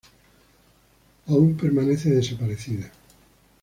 Aún permanece desaparecida.